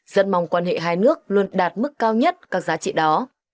rất mong quan hệ hai nước luôn đạt mức cao nhất các giá trị đó